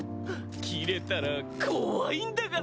キレたら怖いんだから！